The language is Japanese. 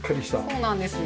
そうなんです。